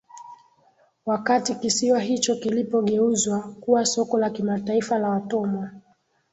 wakati kisiwa hicho kilipogeuzwa kuwa soko la kimataifa la watumwa